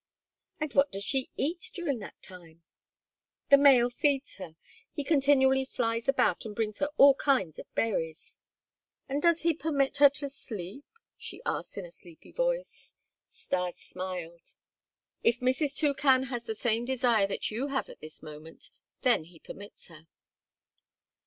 "And what does she eat during that time?" "The male feeds her. He continually flies about and brings her all kind of berries." "And does he permit her to sleep?" she asked in a sleepy voice. Stas smiled. "If Mrs. Toucan has the same desire that you have at this moment, then he permits her."